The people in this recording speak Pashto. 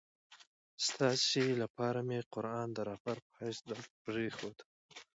ستاسي لپاره مي قرآن د رهبر په حیث درته پرېښود.